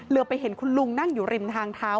ไปเห็นคุณลุงนั่งอยู่ริมทางเท้า